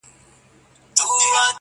هسي ویني بهېدلې له پرهاره.!